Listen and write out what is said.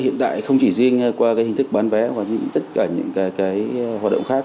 hiện tại không chỉ riêng qua cái hình thức bán vé mà tất cả những cái hoạt động khác